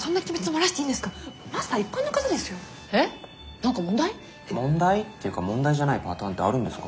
何か問題？問題？っていうか問題じゃないパターンってあるんですか？